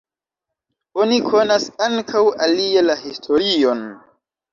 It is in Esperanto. Oni konas ankaŭ alie la historion.